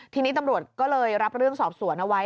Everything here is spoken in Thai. ทีนี้ตำรวจก็เลยรับเรื่องสอบสวนเอาไว้